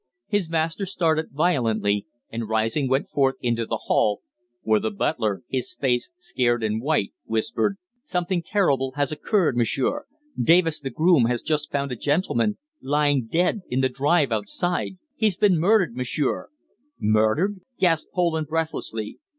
His master started violently, and, rising, went forth into the hall, where the butler, his face scared and white, whispered "Something terrible has occurred, m'sieur! Davis, the groom, has just found a gentleman lying dead in the drive outside. He's been murdered, m'sieur!" "Murdered!" gasped Poland breathlessly.